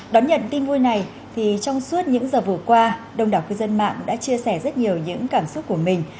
đón nhận tin vui này thì trong suốt những giờ vừa qua đông đảo cư dân mạng đã chia sẻ rất nhiều những cảm xúc của mình